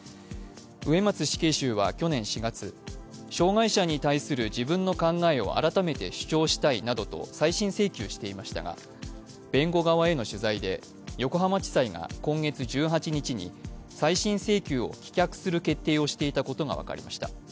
植松死刑囚は去年４月、障害者に対する自分の考えを改めて主張したいなどと再審請求していましたが弁護側への取材で、横浜地裁が今月１８日に再審請求を棄却する決定をしていたことが分かりました。